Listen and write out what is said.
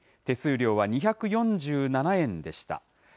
手数料は２４７円でした。